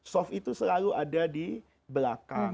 soft itu selalu ada di belakang